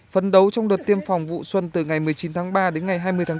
phấn đấu trong đợt tiêm phòng vụ xuân từ ngày một mươi chín tháng ba đến ngày hai mươi tháng bốn